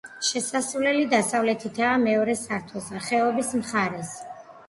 შესასვლელი დასავლეთითაა, მეორე სართულზე, ხეობის მხარეს.